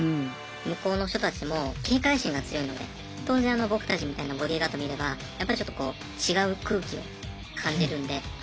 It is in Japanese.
向こうの人たちも警戒心が強いので当然僕たちみたいなボディーガード見ればやっぱりちょっとこう違う空気を感じるんでああ